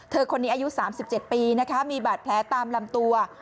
เธอคนนี้อายุ๓๗ปีมีบาดแผลตามลำตัว